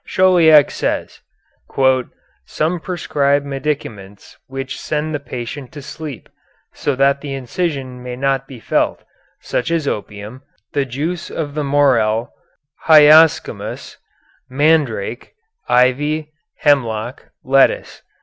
Chauliac says: "Some prescribe medicaments which send the patient to sleep, so that the incision may not be felt, such as opium, the juice of the morel, hyoscyamus, mandrake, ivy, hemlock, lettuce.